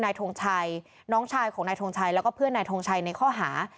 ทงชัยน้องชายของนายทงชัยแล้วก็เพื่อนนายทงชัยในข้อหา